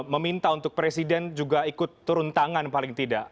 meminta untuk presiden juga ikut turun tangan paling tidak